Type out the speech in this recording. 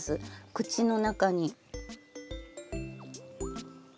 口の中に。